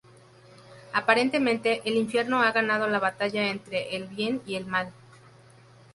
Aparentemente el infierno ha ganado la batalla entre el Bien y el Mal.